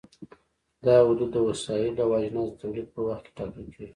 دا حدود د وسایلو او اجناسو د تولید په وخت کې ټاکل کېږي.